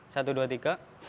satu dua tiga